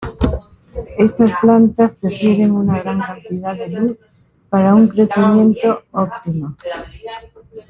Estas plantas prefieren una gran cantidad de luz para un crecimiento óptimo.